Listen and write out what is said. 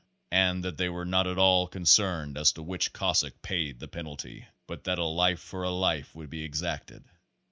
And that they were not at all concerned as to which cossack paid the penalty, but that a life for a life would be exacted.